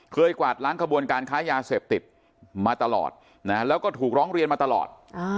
กวาดล้างขบวนการค้ายาเสพติดมาตลอดแล้วก็ถูกร้องเรียนมาตลอด